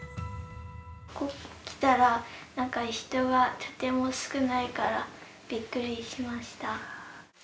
こっち来たら、なんか人がとても少ないから、びっくりしました。